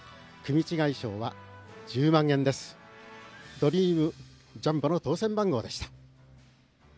ドリームジャンボの当せん番号でした。